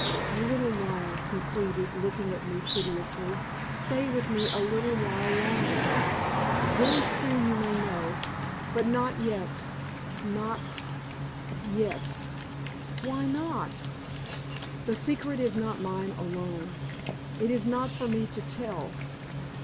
"A little while," he pleaded, looking at me piteously. "Stay with me a little while longer. Very soon you may know, but not yet not yet " "Why not?" "The secret is not mine alone. It is not for me to tell.